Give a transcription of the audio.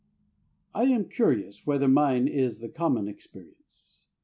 I am curious whether mine is the common experience.